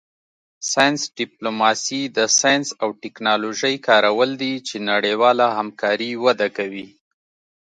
ساینس ډیپلوماسي د ساینس او ټیکنالوژۍ کارول دي چې نړیواله همکاري وده کوي